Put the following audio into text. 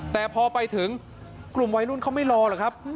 แต่พอไปถึงกลุ่มวัยรุ่นเขาไม่รอหรอกครับ